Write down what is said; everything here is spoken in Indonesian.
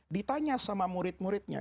ditanya sama murid muridnya